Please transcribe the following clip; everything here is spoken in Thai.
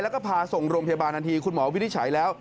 แล้วก็พาส่งโรงพยาบาลทันทีคุณหมอวินิจฉัยแล้ว